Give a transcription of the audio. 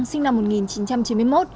sinh năm một nghìn chín trăm chín mươi một